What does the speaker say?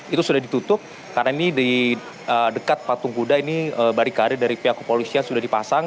itu sudah ditutup karena ini di dekat patung kuda ini barikade dari pihak kepolisian sudah dipasang